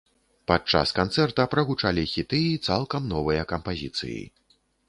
Падчас канцэрта прагучалі хіты і цалкам новыя кампазіцыі.